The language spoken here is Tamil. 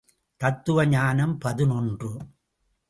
தத்துவ ஞானம் பதினொன்று .